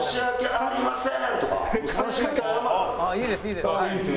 「ああいいですいいです」。